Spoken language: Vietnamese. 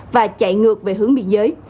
và chạy ngược về hướng biên giới